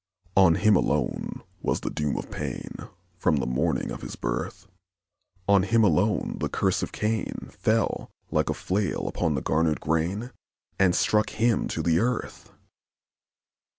On him alone was the doom of pain, From the morning of his birth; On him alone the curse of Cain Fell, like a flail on the garnered grain, And struck him to the earth!